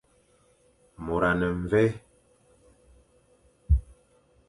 Môr a ne mvè.